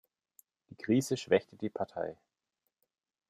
Die Krise schwächte die Partei.